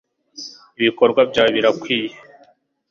Ibikorwa byawe birakwica